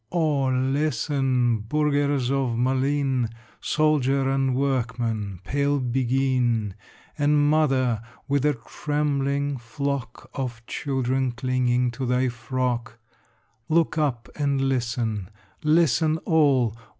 O listen, burghers of Malines! Soldier and workman, pale béguine. And mother with a trembling flock Of children clinging to thy frock, Look up and listen, listen all!